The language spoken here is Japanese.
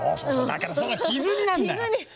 だからそのひずみなんだよ。